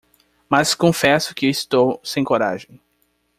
Mas, confesso que estou sem coragem